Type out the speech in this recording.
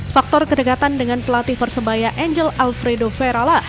faktor kedekatan dengan pelatih persebaya angel alfredo verala